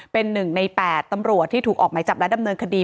เป็น๑ใน๘ตำรวจที่ถูกออกหมายจับและดำเนินคดี